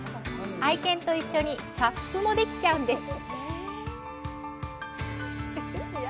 愛犬と一緒にＳＵＰもできちゃうんです。